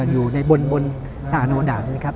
อยู่ในบนสะอาโนดาตนี่ครับ